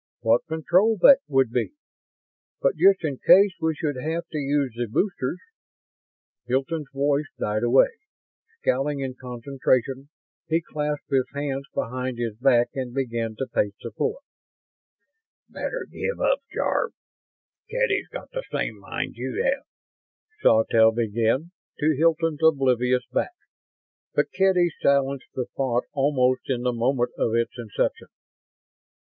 What control that would be! But just in case we should have to use the boosters...." Hilton's voice died away. Scowling in concentration, he clasped his hands behind his back and began to pace the floor. "Better give up, Jarve. Kedy's got the same mind you have," Sawtelle began, to Hilton's oblivious back; but Kedy silenced the thought almost in the moment of its inception.